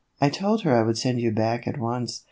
I told her I would send you back at once.